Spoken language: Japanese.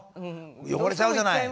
汚れちゃうじゃない」。